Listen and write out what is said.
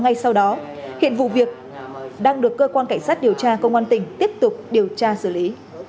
ngay sau đó hiện vụ việc đang được cơ quan cảnh sát điều tra công an tỉnh tiếp tục điều tra xử lý